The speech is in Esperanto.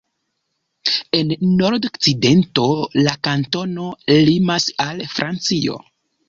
En nordokcidento la kantono limas al Francio.